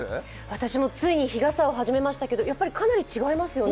私もついに日傘を始めましたけどかなり違いますよね。